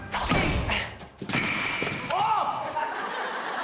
あっ！